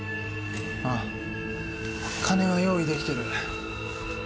ああ金は用意できてる。